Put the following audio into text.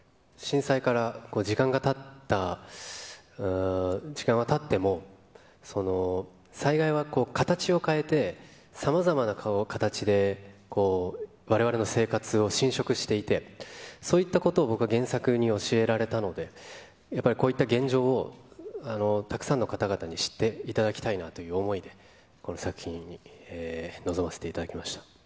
震災から時間がたっても、災害は形を変えて、さまざまな形で、われわれの生活を侵食していて、そういったことを僕は原作に教えられたので、やっぱりこういった現状をたくさんの方々に知っていただきたいなという思いで、この作品に臨ませていただきました。